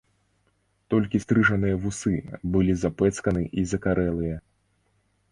Толькі стрыжаныя вусы былі запэцканы і закарэлыя.